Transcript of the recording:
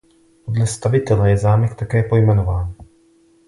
Podle stavitele je zámek také pojmenován.